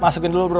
masukin dulu bro